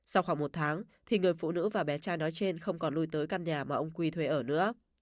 sau khoảng một tháng thì người phụ nữ và bé trai nói trên không còn lui tới căn nhà mà ông quy thuê ở nữa